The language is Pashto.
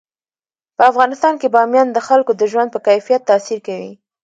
په افغانستان کې بامیان د خلکو د ژوند په کیفیت تاثیر کوي.